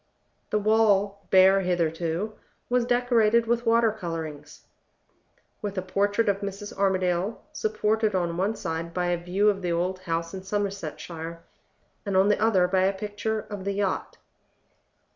The wall, bare hitherto, was decorated with water color drawings with a portrait of Mrs. Armadale supported on one side by a view of the old house in Somersetshire, and on the other by a picture of the yacht.